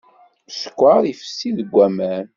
Sskeṛ ifessi deg aman.